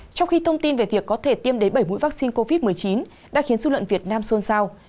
trong khi thông tin về việc có thể tiêm đến bảy mũi vắc xin covid một mươi chín đã khiến du lận việt nam xôn xao